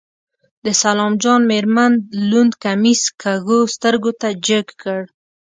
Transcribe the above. د سلام جان مېرمن لوند کميس کږو سترګو ته جګ کړ.